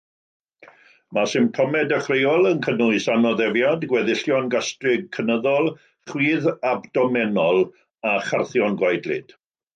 Mae symptomau dechreuol yn cynnwys anoddefiad, gweddillion gastrig cynyddol, chwydd abdomenol a charthion gwaedlyd.